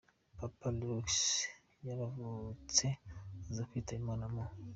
Papa Leo X yaravutse aza kwitaba Imana muri .